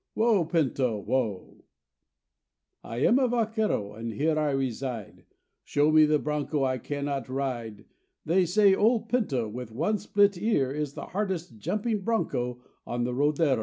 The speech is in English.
Whoa! Pinto, whoa! I am a vaquero, and here I reside; Show me the broncho I cannot ride. They say old Pinto with one split ear Is the hardest jumping broncho on the rodero.